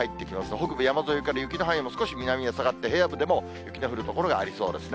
北部山沿いから雪の範囲も少し南へ下がって、平野部でも雪の降る所がありそうですね。